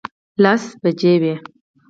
لس بجې وې.